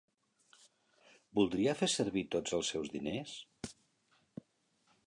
Voldria fer servir tots els seus diners?